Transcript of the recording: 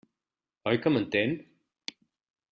Oi que m'entén?